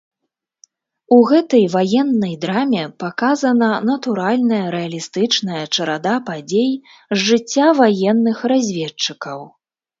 У гэтай ваеннай драме паказана натуральная рэалістычная чарада падзей з жыцця ваенных разведчыкаў.